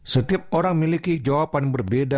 setiap orang memiliki jawaban berbeda